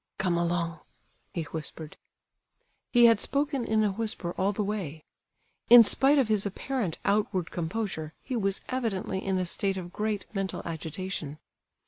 "Come along," he whispered. He had spoken in a whisper all the way. In spite of his apparent outward composure, he was evidently in a state of great mental agitation.